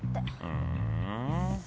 ふん